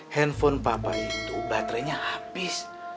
handphone papa itu baterainya habis